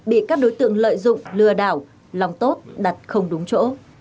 bị các đối tượng lợi dụng lừa đảo lòng tốt đặt không đúng chỗ